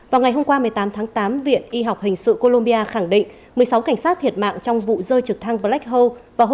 vào ngày hôm qua một mươi tám tháng tám viện y học hình sự colombia khẳng định một mươi sáu cảnh sát thiệt mạng trong vụ rơi trực thăng black house